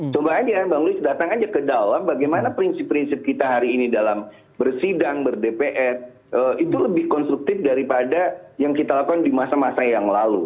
coba aja bang luis datang aja ke dalam bagaimana prinsip prinsip kita hari ini dalam bersidang berdepet itu lebih konstruktif daripada yang kita lakukan di masa masa yang lalu